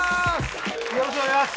よろしくお願いします